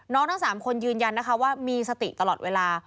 น้องทั้ง๓คนยืนยันว่ามีสติตลอดเวลา